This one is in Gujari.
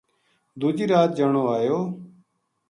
دوجی رات جنو ایو